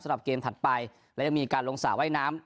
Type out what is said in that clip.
สำหรับเกมถัดไปและยังมีการลงสระว่ายน้ำ